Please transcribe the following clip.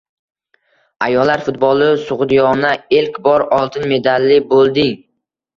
Ayollar futboli. «So‘g‘diyona» ilk bor oltin medalli bo‘lding